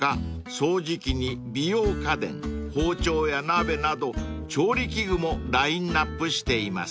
掃除機に美容家電包丁や鍋など調理器具もラインアップしています］